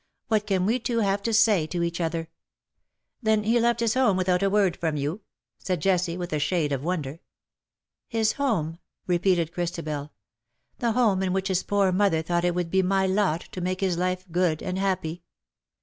What can we two have to say to each other V* "Then he left his home without a word from you,^ ' said Jessie^ with a shade of wonder. " His home,^^ repeated Christabel ;" the home in which his poor mother thought it would be my lot to make his life good and happy.